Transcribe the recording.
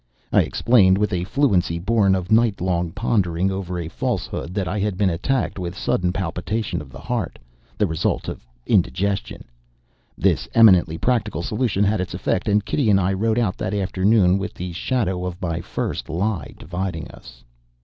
I explained, with a fluency born of night long pondering over a falsehood, that I had been attacked with sudden palpitation of the heart the result of indigestion. This eminently practical solution had its effect; and Kitty and I rode out that afternoon with the shadow of my first lie dividing us.